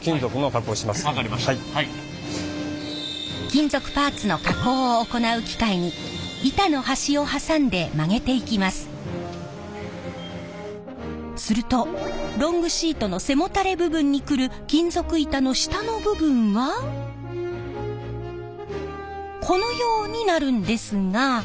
金属パーツの加工を行う機械にするとロングシートの背もたれ部分にくる金属板の下の部分はこのようになるんですが。